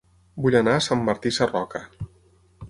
Vull anar a Sant Martí Sarroca